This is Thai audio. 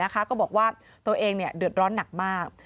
ก็บอกว่าตัวเองเดือดร้อนหนักมาก